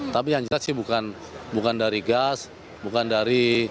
tapi yang jelas sih bukan dari gas bukan dari